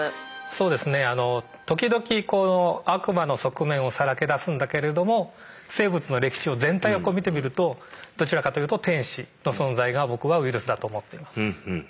そうですねあの時々悪魔の側面をさらけ出すんだけれども生物の歴史を全体をこう見てみるとどちらかというと天使の存在が僕はウイルスだと思っています。